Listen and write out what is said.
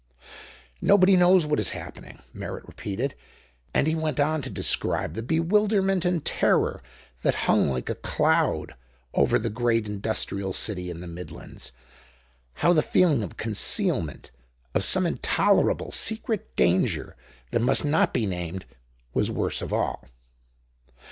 "Nobody knows what is happening," Merritt repeated, and he went on to describe the bewilderment and terror that hung like a cloud over the great industrial city in the Midlands, how the feeling of concealment, of some intolerable secret danger that must not be named, was worst of all.